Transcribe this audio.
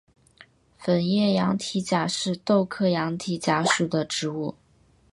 粉叶羊蹄甲是豆科羊蹄甲属的植物。